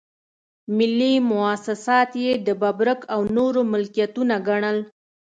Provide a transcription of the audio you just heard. ملي مواسسات یې د ببرک او نورو ملکيتونه ګڼل.